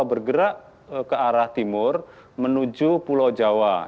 bergerak ke arah timur menuju pulau jawa